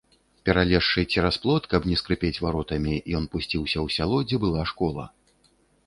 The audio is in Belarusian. Пералезшы цераз плот, каб не скрыпець варотамі, ён пусціўся ў сяло, дзе была школа.